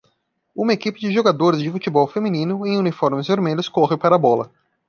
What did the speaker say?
Uma equipe de jogadores de futebol feminino em uniformes vermelhos corre para a bola.